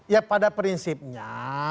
ya pada prinsipnya